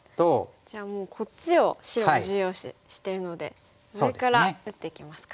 じゃあもうこっちを白は重要視してるので上から打っていきますか。